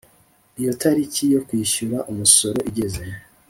Iyo itariki yo kwishyura umusoro igeze